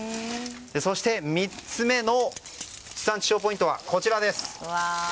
そして、３つ目の地産地消ポイントはこちら。